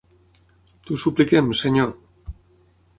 T'ho supliquem, Senyor.